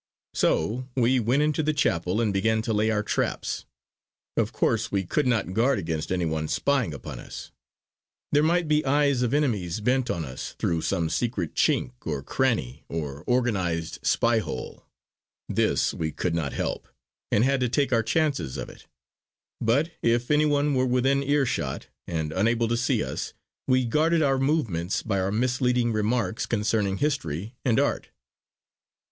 So we went into the chapel and began to lay our traps. Of course we could not guard against any one spying upon us. There might be eyes of enemies bent on us through some secret chink or cranny or organised spy hole. This we could not help, and had to take our chances of it; but if anyone were within ear shot and unable to see us, we guarded our movements by our misleading remarks concerning history and art.